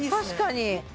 確かに！